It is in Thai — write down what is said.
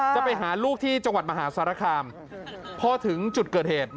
จะไปหาลูกที่จังหวัดมหาสารคามพอถึงจุดเกิดเหตุ